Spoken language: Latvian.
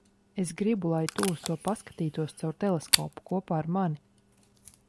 Es gribu, lai tu uz to paskatītos caur teleskopu - kopā ar mani.